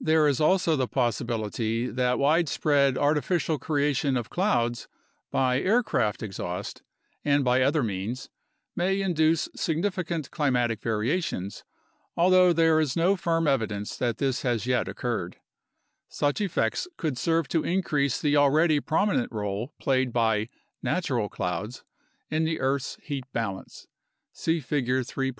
There is also the possibility that widespread artificial creation of PAST CLIMATIC VARIATIONS— PROJECTION OF FUTURE CLIMATES 45 clouds by aircraft exhaust and by other means may induce significant climatic variations, although there is no firm evidence that this has yet occurred. Such effects could serve to increase the already prominent role played by (natural) clouds in the earth's heat balance (see Figure 3.